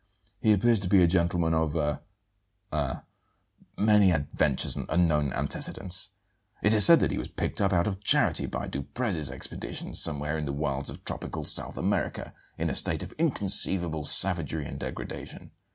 He appears to be a gentleman of a a many adventures and unknown antecedents. It is said that he was picked up out of charity by Duprez's expedition somewhere in the wilds of tropical South America, in a state of inconceivable savagery and degradation.